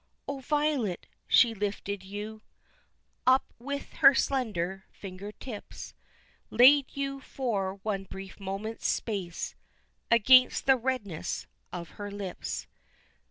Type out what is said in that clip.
O, Violet, she lifted you Up with her slender finger tips, Laid you for one brief moment's space Against the redness of her lips.